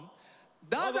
どうぞ！